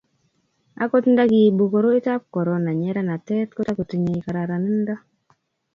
akot nta kiibu koroitab korona nyeranatet ko tukutinyei kararanindo